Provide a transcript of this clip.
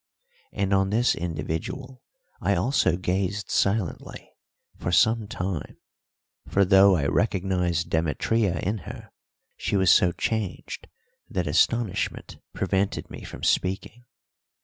And on this individual I also gazed silently for some time; for, though I recognised Demetria in her, she was so changed that astonishment prevented me from speaking.